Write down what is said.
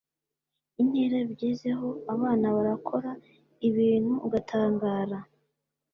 Intera bigezeho abana barakora ibintu ugatangara